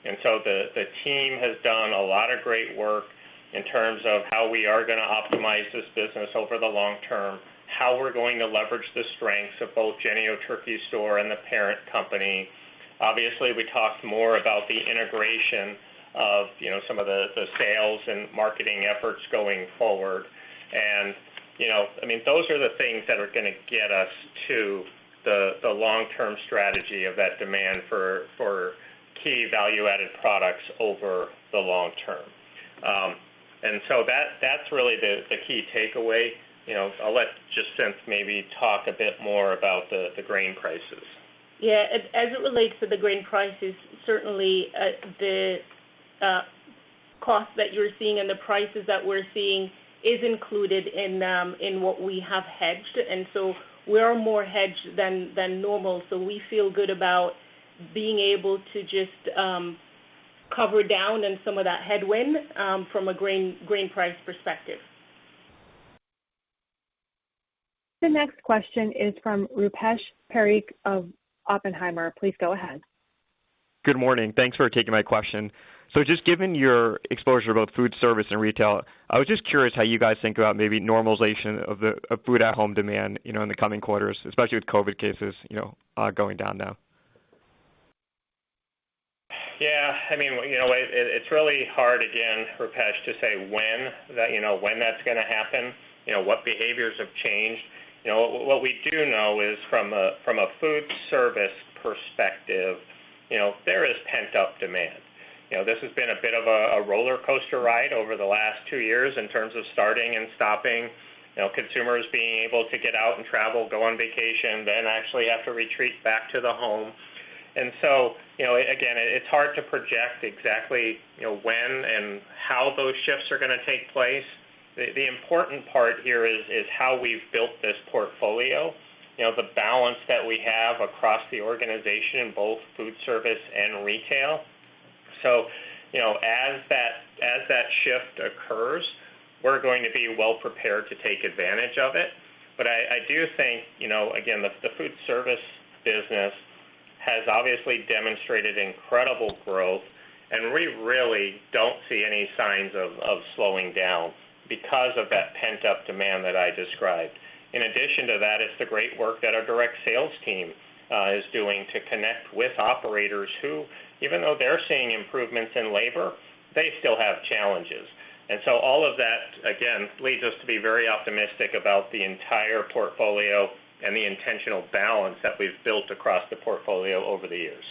The team has done a lot of great work in terms of how we are gonna optimize this business over the long term, how we're going to leverage the strengths of both Jennie-O Turkey Store and the parent company. Obviously, we talked more about the integration of, you know, some of the sales and marketing efforts going forward. You know, I mean, those are the things that are gonna get us to the long-term strategy of that demand for key value-added products over the long term. That's really the key takeaway. You know, I'll let Jacinth maybe talk a bit more about the grain prices. Yeah. As it relates to the grain prices, certainly, the cost that you're seeing and the prices that we're seeing is included in what we have hedged. We are more hedged than normal. We feel good about being able to just cover down in some of that headwind from a grain price perspective. The next question is from Rupesh Parikh of Oppenheimer. Please go ahead. Good morning. Thanks for taking my question. Just given your exposure to both Foodservice and retail, I was just curious how you guys think about maybe normalization of food at-home demand, you know, in the coming quarters, especially with COVID cases, you know, going down now? Yeah. I mean, you know, it's really hard again, Rupesh, to say when that, you know, when that's gonna happen, you know, what behaviors have changed. You know, what we do know is from a food service perspective, you know, there is pent-up demand. You know, this has been a bit of a roller coaster ride over the last two years in terms of starting and stopping, you know, consumers being able to get out and travel, go on vacation, then actually have to retreat back to the home. You know, again, it's hard to project exactly, you know, when and how those shifts are gonna take place. The important part here is how we've built this portfolio. You know, the balance that we have across the organization in both food service and retail. You know, as that shift occurs, we're going to be well prepared to take advantage of it. I do think, you know, again, the food service business has obviously demonstrated incredible growth, and we really don't see any signs of slowing down because of that pent-up demand that I described. In addition to that, it's the great work that our direct sales team is doing to connect with operators who, even though they're seeing improvements in labor, they still have challenges. All of that, again, leads us to be very optimistic about the entire portfolio and the intentional balance that we've built across the portfolio over the years.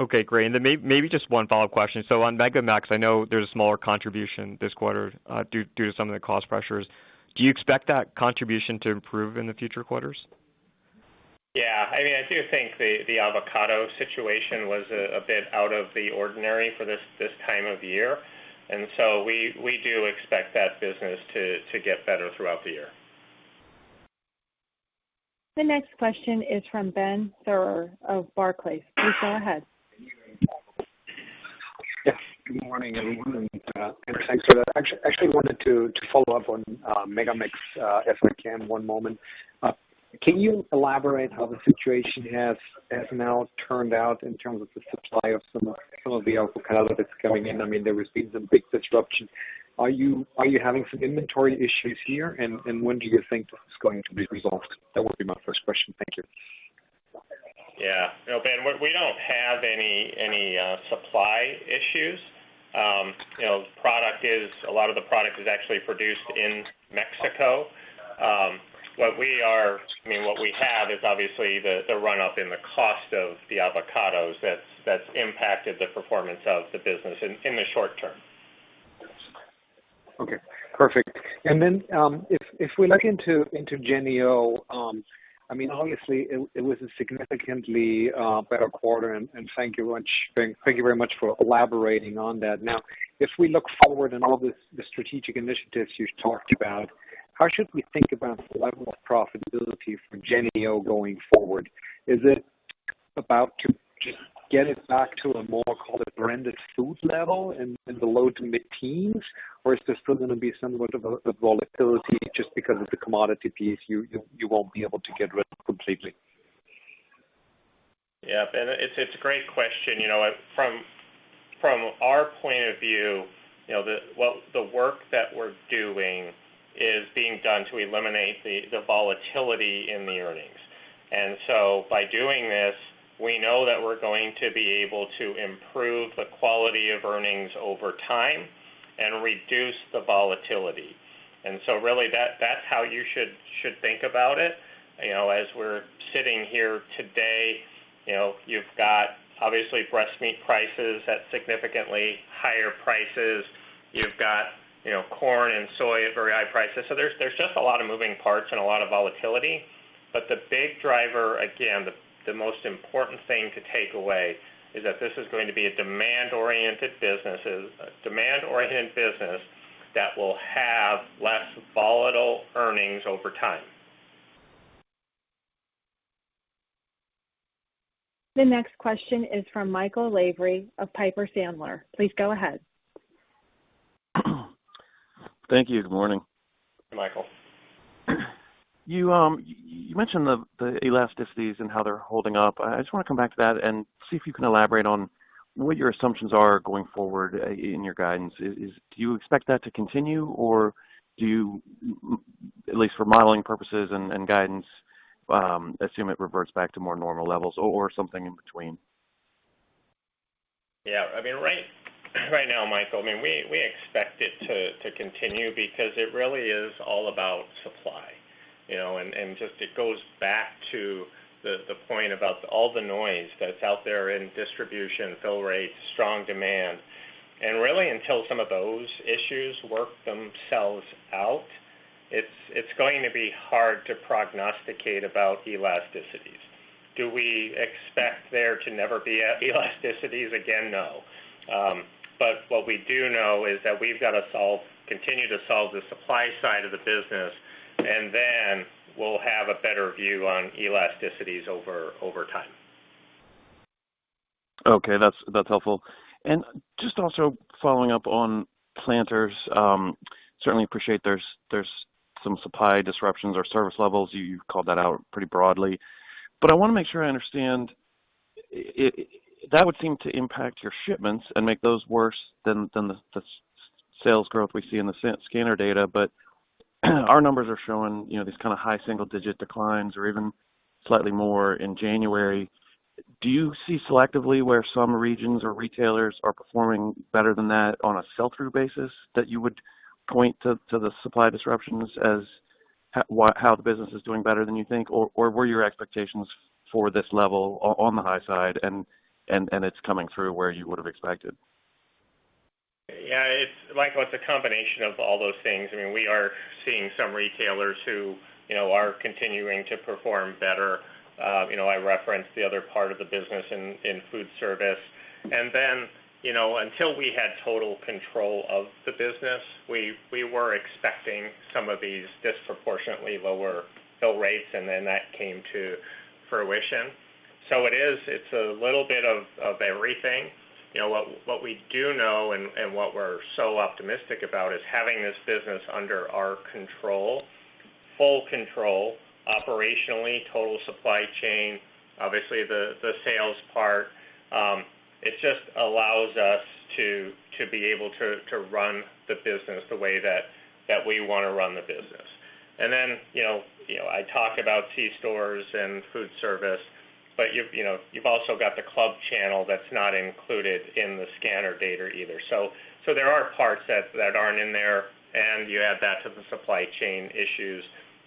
Okay, great. Maybe just one follow-up question. On MegaMex Foods, I know there's a smaller contribution this quarter, due to some of the cost pressures. Do you expect that contribution to improve in the future quarters? Yeah. I mean, I do think the avocado situation was a bit out of the ordinary for this time of year. We do expect that business to get better throughout the year. The next question is from Benjamin Theurer of Barclays. Please go ahead. Yes. Good morning, everyone, and thanks for that. Actually wanted to follow up on MegaMex Foods, if I can one moment. Can you elaborate how the situation has now turned out in terms of the supply of some of the avocado that's coming in? I mean, there has been some big disruption. Are you having some inventory issues here? When do you think this is going to be resolved? That would be my first question. Thank you. Yeah. No, Ben, we don't have any supply issues. You know, a lot of the product is actually produced in Mexico. I mean, what we have is obviously the run-up in the cost of the avocados that's impacted the performance of the business in the short term. Okay. Perfect. If we look into Jennie-O, I mean, obviously it was a significantly better quarter, and thank you very much for elaborating on that. Now, if we look forward on all the strategic initiatives you talked about, how should we think about the level of profitability for Jennie-O going forward? Is it about to just get it back to a more, call it, branded food level in the low to mid-teens, or is there still gonna be somewhat of a volatility just because of the commodity piece you won't be able to get rid of completely? Yeah. Ben, it's a great question. You know, from our point of view, you know, the work that we're doing is being done to eliminate the volatility in the earnings. By doing this, we know that we're going to be able to improve the quality of earnings over time and reduce the volatility. Really, that's how you should think about it. You know, as we're sitting here today, you know, you've got obviously breast meat prices at significantly higher prices. You've got, you know, corn and soy at very high prices. There's just a lot of moving parts and a lot of volatility. The big driver, again, the most important thing to take away is that this is going to be a demand-oriented business that will have less volatile earnings over time. The next question is from Michael Lavery of Piper Sandler. Please go ahead. Thank you. Good morning. Michael. You mentioned the elasticities and how they're holding up. I just wanna come back to that and see if you can elaborate on what your assumptions are going forward in your guidance. Do you expect that to continue or do you at least for modeling purposes and guidance assume it reverts back to more normal levels or something in between? Yeah. I mean, right now, Michael, I mean, we expect it to continue because it really is all about supply, you know. Just it goes back to the point about all the noise that's out there in distribution, fill rates, strong demand. Really until some of those issues work themselves out, it's going to be hard to prognosticate about elasticities. Do we expect there to never be elasticities again? No. But what we do know is that we've got to continue to solve the supply side of the business, and then we'll have a better view on elasticities over time. Okay. That's helpful. Just also following up on Planters, certainly appreciate there's some supply disruptions or service levels. You called that out pretty broadly. I want to make sure I understand. That would seem to impact your shipments and make those worse than the sales growth we see in the scanner data. Our numbers are showing, you know, this kind of high single digit declines or even slightly more in January. Do you see selectively where some regions or retailers are performing better than that on a sell-through basis that you would point to the supply disruptions as how the business is doing better than you think? Or were your expectations for this level on the high side and it's coming through where you would have expected? Yeah, it's Michael, it's a combination of all those things. I mean, we are seeing some retailers who, you know, are continuing to perform better. You know, I referenced the other part of the business in Foodservice. Then, you know, until we had total control of the business, we were expecting some of these disproportionately lower fill rates and then that came to fruition. It is a little bit of everything. You know, what we do know and what we're so optimistic about is having this business under our control, full control operationally, total supply chain, obviously the sales part, it just allows us to be able to run the business the way that we wanna run the business. You know, I talk about C stores and food service, but you've, you know, you've also got the club channel that's not included in the scanner data either. So, there are parts that aren't in there, and you add that to the supply chain issues.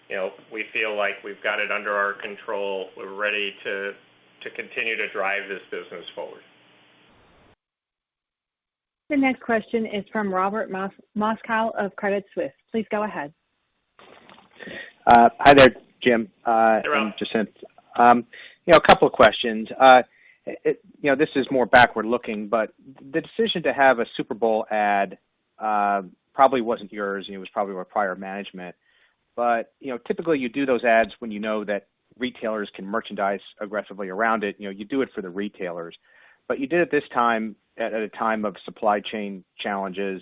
You know, we feel like we've got it under our control. We're ready to continue to drive this business forward. The next question is from Robert Moskow of Credit Suisse. Please go ahead. Hi there, Jim. Hi, Rob. Jacinth. You know, a couple of questions. You know, this is more backward-looking, but the decision to have a Super Bowl ad probably wasn't yours, and it was probably with prior management. You know, typically you do those ads when you know that retailers can merchandise aggressively around it. You know, you do it for the retailers. You did it this time at a time of supply chain challenges.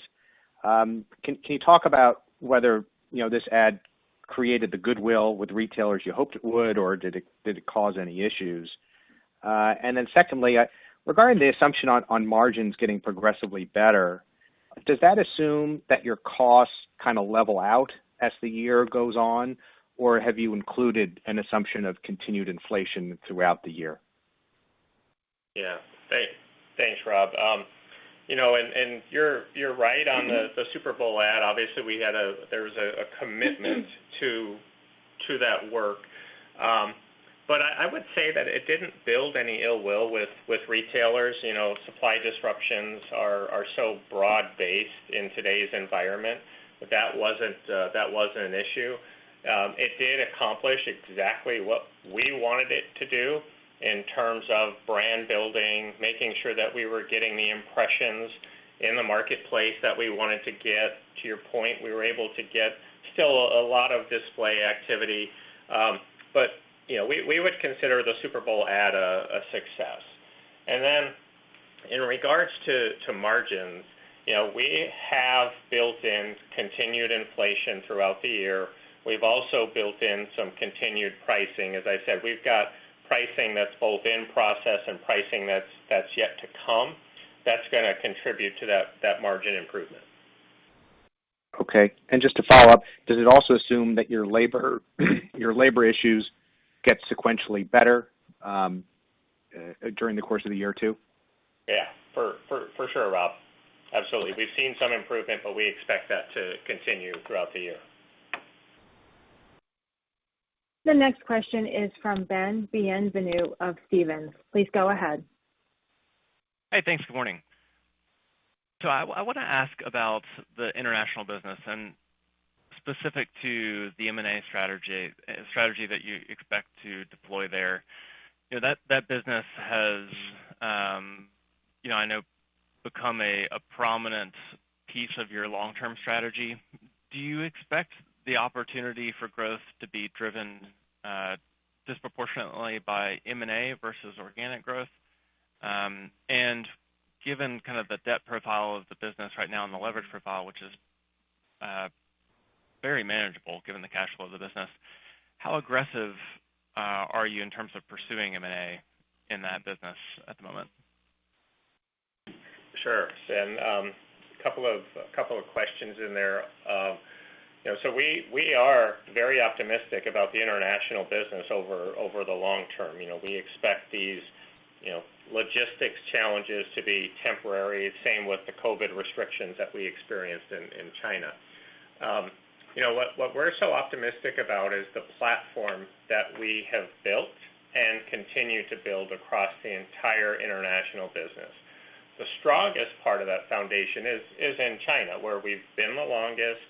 Can you talk about whether, you know, this ad created the goodwill with retailers you hoped it would, or did it cause any issues? Then secondly, regarding the assumption on margins getting progressively better, does that assume that your costs kinda level out as the year goes on? Or have you included an assumption of continued inflation throughout the year? Thanks, Rob. You know, and you're right on the Super Bowl ad. Obviously, we had a commitment to that work. I would say that it didn't build any ill will with retailers. You know, supply disruptions are so broad-based in today's environment. That wasn't an issue. It did accomplish exactly what we wanted it to do in terms of brand building, making sure that we were getting the impressions in the marketplace that we wanted to get. To your point, we were able to get still a lot of display activity. You know, we would consider the Super Bowl ad a success. Then in regard to margin, you know, we have built in continued inflation throughout the year. We've also built in some continued pricing. As I said, we've got pricing that's both in process and pricing that's yet to come. That's gonna contribute to that margin improvement. Okay. Just to follow up, does it also assume that your labor issues get sequentially better during the course of the year, too? Yeah, for sure, Rob. Absolutely. We've seen some improvement, but we expect that to continue throughout the year. The next question is from Ben Bienvenu of Stephens. Please go ahead. Hey, thanks. Good morning. I wanna ask about the international business and specific to the M&A strategy that you expect to deploy there. You know, that business has become a prominent piece of your long-term strategy. Do you expect the opportunity for growth to be driven disproportionately by M&A versus organic growth? Given kind of the debt profile of the business right now and the leverage profile, which is very manageable given the cash flow of the business, how aggressive are you in terms of pursuing M&A in that business at the moment? Sure. A couple of questions in there. You know, we are very optimistic about the international business over the long term. You know, we expect these you know logistics challenges to be temporary. Same with the COVID restrictions that we experienced in China. You know, what we're so optimistic about is the platform that we have built and continue to build across the entire international business. The strongest part of that foundation is in China, where we've been the longest,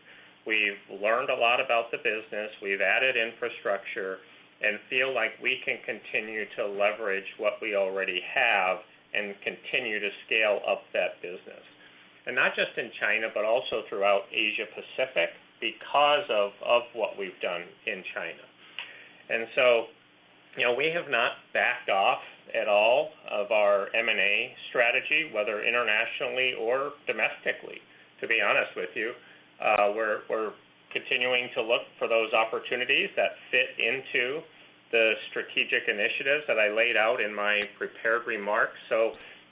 we've learned a lot about the business, we've added infrastructure and feel like we can continue to leverage what we already have and continue to scale up that business. Not just in China, but also throughout Asia Pacific because of what we've done in China. You know, we have not backed off at all of our M&A strategy, whether internationally or domestically, to be honest with you. We're continuing to look for those opportunities that fit into the strategic initiatives that I laid out in my prepared remarks.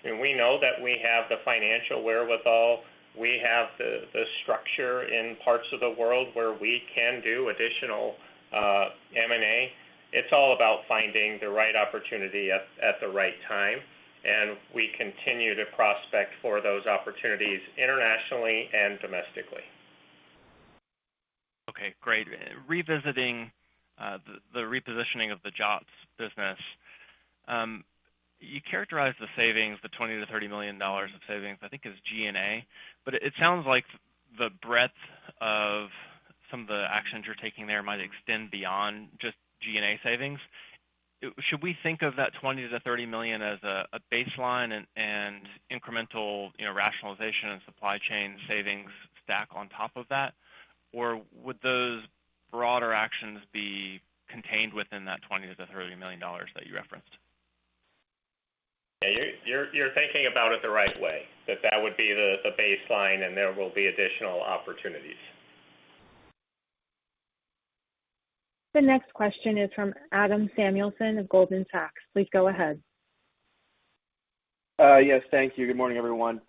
We know that we have the financial wherewithal. We have the structure in parts of the world where we can do additional M&A. It's all about finding the right opportunity at the right time, and we continue to prospect for those opportunities internationally and domestically. Okay, great. Revisiting the repositioning of the Jots business. You characterized the savings, the $20 million-$30 million of savings, I think as G&A. But it sounds like the breadth of some of the actions you're taking there might extend beyond just G&A savings. Should we think of that $20 million-$30 million as a baseline and incremental, you know, rationalization and supply chain savings stack on top of that? Or would those broader actions be contained within that $20 million-$30 million that you referenced? Yeah, you're thinking about it the right way, that would be the baseline and there will be additional opportunities. The next question is from Adam Samuelson of Goldman Sachs. Please go ahead. Yes, thank you. Good morning, everyone.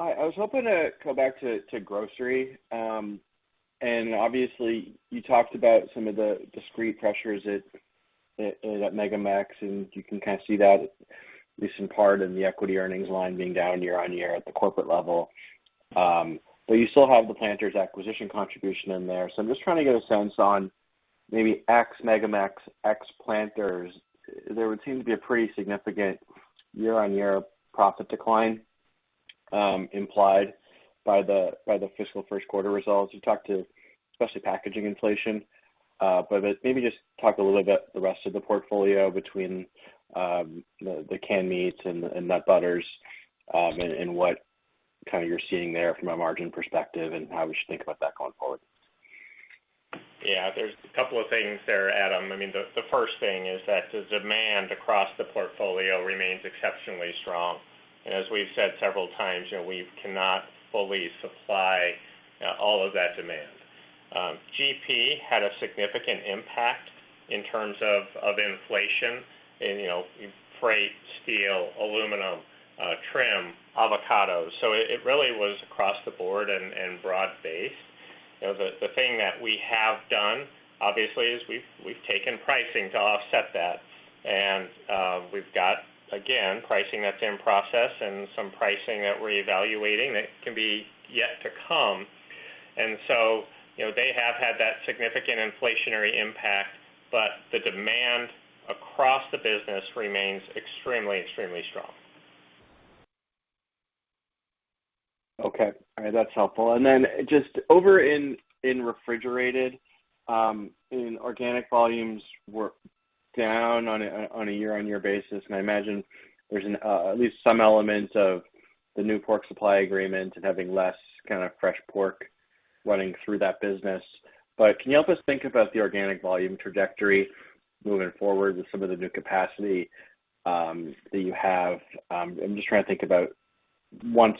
Yeah. I was hoping to go back to grocery. Obviously, you talked about some of the discrete pressures at MegaMex, and you can kind of see that at least in part in the equity earnings line being down year-over-year at the corporate level. You still have the Planters acquisition contribution in there. I'm just trying to get a sense on maybe ex MegaMex, ex Planters. There would seem to be a pretty significant year-over-year profit decline implied by the fiscal first quarter results. You talked about especially packaging inflation, but maybe just talk a little bit about the rest of the portfolio between the canned meats and nut butters, and what you're seeing there from a margin perspective and how we should think about that going forward. Yeah, there's a couple of things there, Adam. I mean, the first thing is that the demand across the portfolio remains exceptionally strong. As we've said several times, you know, we cannot fully supply all of that demand. GP had a significant impact in terms of of inflation in, you know, freight, steel, aluminum, trim, avocados. It really was across the board and broad-based. You know, the thing that we have done, obviously, is we've taken pricing to offset that. We've got, again, pricing that's in process and some pricing that we're evaluating that can be yet to come. They have had that significant inflationary impact, but the demand across the business remains extremely strong. Okay. All right. That's helpful. Just over in refrigerated, organic volumes were down on a year-over-year basis. I imagine there's at least some element of the new pork supply agreement and having less kind of fresh pork running through that business. Can you help us think about the organic volume trajectory moving forward with some of the new capacity that you have? I'm just trying to think about once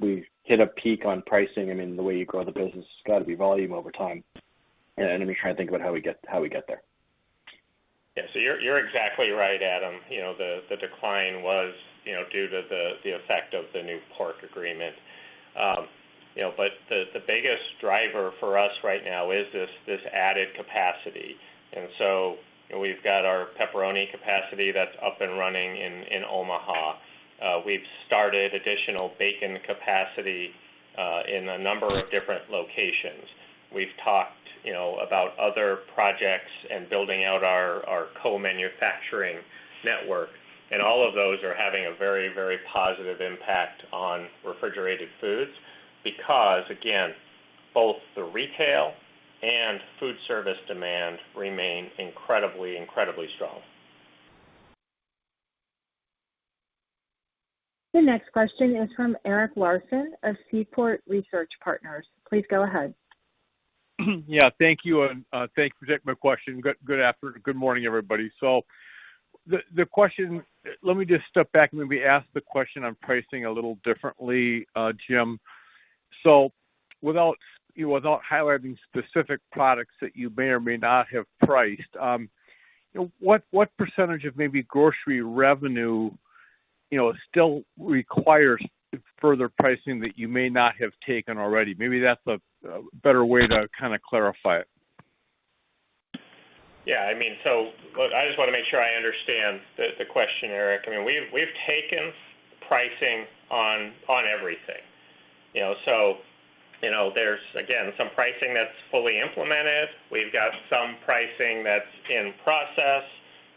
we hit a peak on pricing, I mean, the way you grow the business has got to be volume over time. I'm just trying to think about how we get there. Yeah. You're exactly right, Adam. You know, the decline was, you know, due to the effect of the new pork agreement. You know, the biggest driver for us right now is this added capacity. We've got our pepperoni capacity that's up and running in Omaha. We've started additional bacon capacity in a number of different locations. We've talked, you know, about other projects and building out our co-manufacturing network. All of those are having a very, very positive impact on refrigerated foods because, again, both the retail and foodservice demand remain incredibly strong. The next question is from Eric Larson of Seaport Research Partners. Please go ahead. Yeah, thank you. Thanks for taking my question. Good morning, everybody. Let me just step back. Let me ask the question on pricing a little differently, Jim. Without, you know, without highlighting specific products that you may or may not have priced, what percentage of maybe grocery revenue, you know, still requires further pricing that you may not have taken already? Maybe that's a better way to kinda clarify it. Yeah, I mean, look, I just wanna make sure I understand the question, Eric. I mean, we've taken pricing on everything. You know, there's again some pricing that's fully implemented. We've got some pricing that's in process.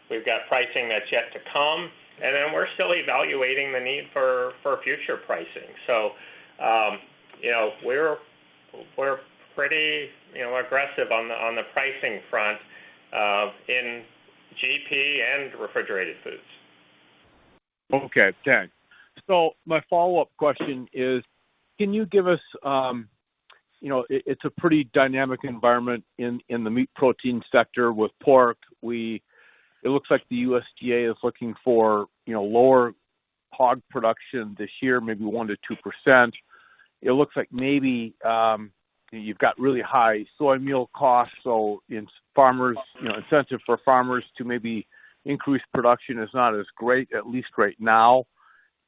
We've got pricing that's yet to come. Then we're still evaluating the need for future pricing. You know, we're pretty aggressive on the pricing front in GP and Refrigerated Foods. Okay. Thanks. My follow-up question is, it's a pretty dynamic environment in the meat protein sector with pork. It looks like the USDA is looking for lower hog production this year, maybe 1%-2%. It looks like maybe you've got really high soy meal costs, so the incentive for farmers to maybe increase production is not as great, at least right now.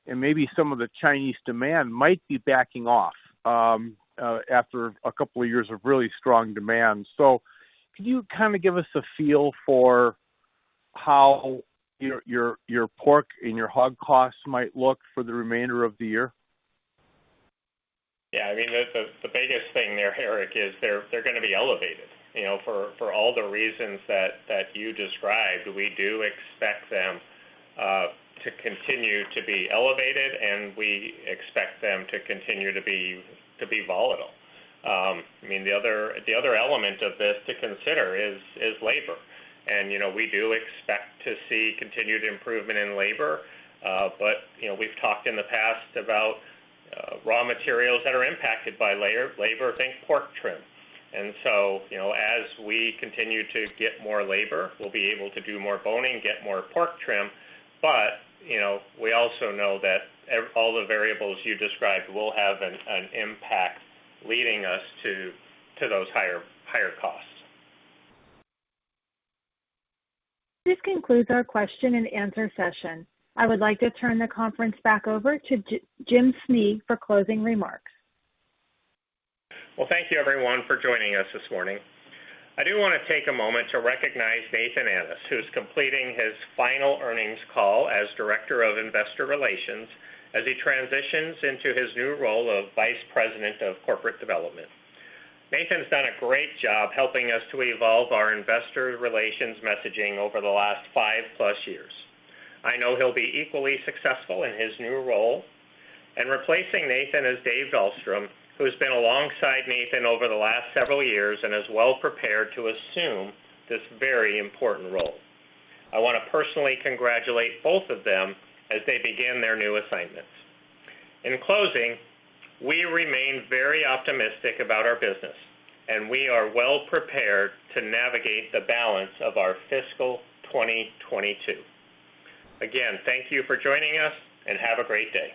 Maybe some of the Chinese demand might be backing off after a couple of years of really strong demand. Can you give us a feel for how your pork and your hog costs might look for the remainder of the year? Yeah. I mean, the biggest thing there, Eric, is they're gonna be elevated. You know, for all the reasons that you described, we do expect them to continue to be elevated, and we expect them to continue to be volatile. I mean, the other element of this to consider is labor. You know, we do expect to see continued improvement in labor. You know, we've talked in the past about raw materials that are impacted by labor. Think pork trim. You know, as we continue to get more labor, we'll be able to do more boning, get more pork trim. You know, we also know that all the variables you described will have an impact leading us to those higher costs. This concludes our question and answer session. I would like to turn the conference back over to Jim Snee for closing remarks. Well, thank you everyone for joining us this morning. I do wanna take a moment to recognize Nathan Annis, who's completing his final earnings call as Director of Investor Relations as he transitions into his new role of Vice President of Corporate Development. Nathan's done a great job helping us to evolve our investor relations messaging over the last five plus years. I know he'll be equally successful in his new role. Replacing Nathan is David Dahlstrom, who has been alongside Nathan over the last several years and is well prepared to assume this very important role. I wanna personally congratulate both of them as they begin their new assignments. In closing, we remain very optimistic about our business, and we are well prepared to navigate the balance of our fiscal 2022. Again, thank you for joining us, and have a great day.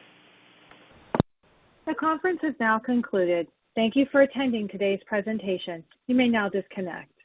The conference is now concluded. Thank you for attending today's presentation. You may now disconnect.